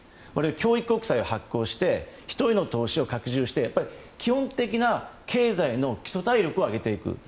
教育国債を発行して人への投資を拡充して基本的な経済の基礎体力を上げていく。